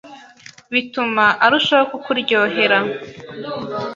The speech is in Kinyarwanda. bituma arushaho kukuryohera